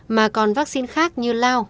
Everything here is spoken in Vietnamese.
mà còn vaccine khác như lao